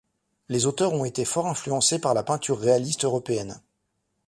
Leurs auteurs ont été fort influencés par la peinture réaliste européenne.